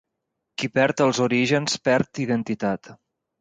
Qui perd els orígens, perd identitat.